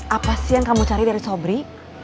apa sih yang kamu cari dari sobri